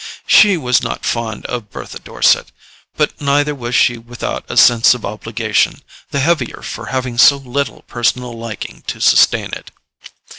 She was not fond of Bertha Dorset, but neither was she without a sense of obligation, the heavier for having so little personal liking to sustain it.